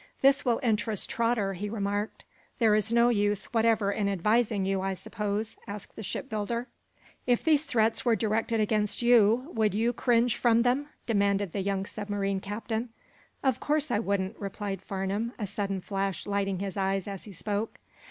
"This will interest Trotter," he remarked. "There is no use whatever in advising you, suppose?" asked the shipbuilder. "If these threats were directed against you, would you cringe from them?" demanded the young submarine captain. "Of course I wouldn't," replied Farnum, a sudden flash lighting his eyes as he spoke.